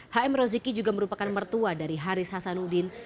h m roziki juga merupakan mertua dari haris hasanuddin